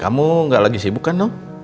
kamu gak lagi sibuk kan no